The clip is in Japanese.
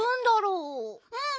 うん。